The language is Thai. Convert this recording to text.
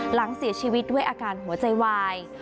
หลังเสียชีวิตด้วยอาการหัวใจวาย